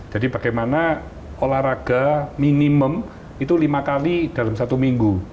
jadi bagaimana olahraga minimum itu lima kali dalam satu minggu